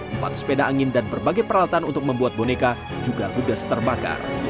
empat sepeda angin dan berbagai peralatan untuk membuat boneka juga ludes terbakar